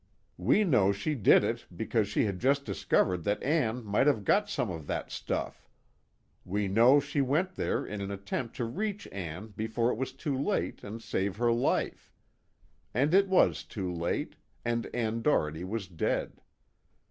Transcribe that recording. We know she did it because she had just discovered that Ann might have got some of that stuff; we know she went out there in an attempt to reach Ann before it was too late and save her life; and it was too late, and Ann Doherty was dead.